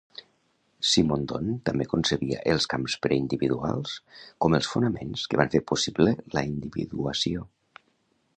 Simondon també concebia els "camps preindividuals" com els fonaments que van fer possible la individuació.